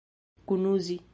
kunuzi